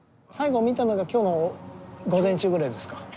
最後見たのが今日の午前中ぐらいですか？